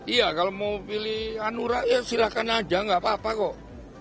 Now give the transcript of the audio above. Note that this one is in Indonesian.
iya kalau mau pilih anura ya silahkan aja nggak apa apa kok